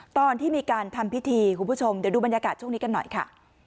ตอนที่มีการทำพิธีคุณผู้ชมเดี๋ยวดูบรรยากาศช่วงนี้กันหน่อยค่ะ